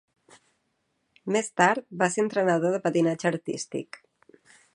Més tard va ser entrenador de patinatge artístic.